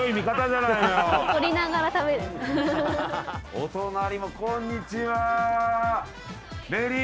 お隣もこんにちはメリー